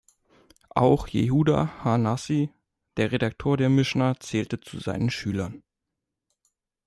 Auch Jehuda ha-Nasi, der Redaktor der Mischna, zählte zu seinen Schülern.